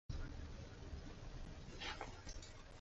Argi dago etorkizuna teknologia berrietan dagoela.